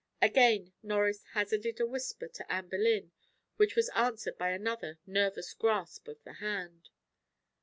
Again Norris hazarded a whisper to Anne Boleyn, which was answered by another nervous grasp of the hand.